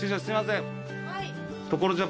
すいません。